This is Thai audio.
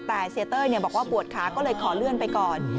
แต่เสียเต้ยบอกว่าปวดขาก็เลยขอเลื่อนไปก่อน